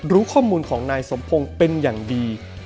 รู้ข้อมูลของนายสมพงศ์เป็นอย่างดี